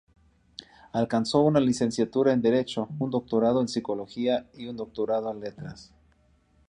Alcanzó una licenciatura en derecho, un doctorado en psicología y un doctorado en letras.